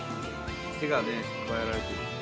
手がね加えられてる